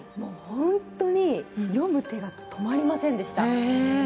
本当に読む手が止まりませんでした。